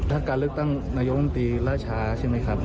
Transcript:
ถ้าการเลือกตั้งนายกรรมตรีล่าช้าใช่ไหมครับ